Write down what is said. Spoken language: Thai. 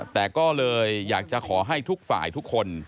แต่ก็เลยอยากจะขอให้ทุกฝ่ายทุกคน